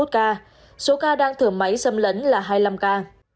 các thử máy xâm lấn là hai mươi năm ca